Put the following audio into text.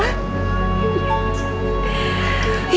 yang penting ibu